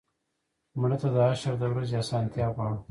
مړه ته د حشر د ورځې آسانتیا غواړو